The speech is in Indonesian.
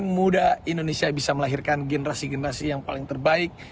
muda indonesia bisa melahirkan generasi generasi yang paling terbaik